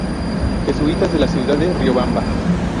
Jesuitas de la ciudad de Riobamba.